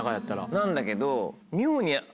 なんだけど。